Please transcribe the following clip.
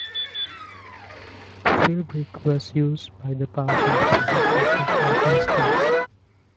Philbrick was used by the Party for his advertising skills.